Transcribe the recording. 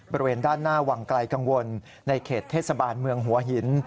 บริเวณด้านหน้าวังไกลกังวลในเขตเทศบาลเมืองหัวหิน